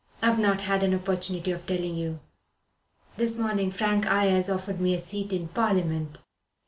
I've not had an opportunity of telling you. This morning Frank Ayres offered me a seat in Parliament."